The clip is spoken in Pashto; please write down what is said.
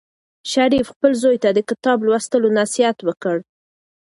شریف خپل زوی ته د کتاب لوستلو نصیحت وکړ.